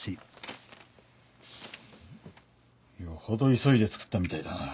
よほど急いで作ったみたいだな。